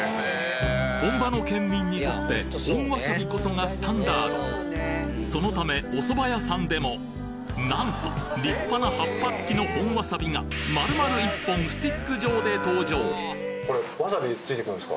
本場の県民にとって本わさびこそがスタンダードそのためお蕎麦屋さんでもなんと立派な葉っぱ付きの本わさびが丸々１本スティック状で登場